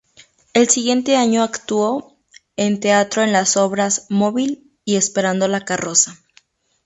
El siguiente año actuó en teatro en las obras "Móvil" y "Esperando la carroza".